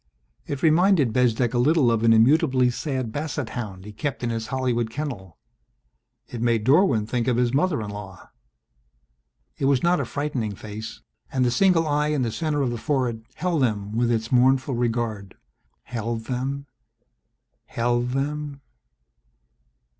It reminded Bezdek a little of an immutably sad Bassett Hound he kept in his Hollywood kennel. It made Dorwin think of his mother in law. It was not a frightening face and the single eye in the center of the forehead held them with its mournful regard, held them, held them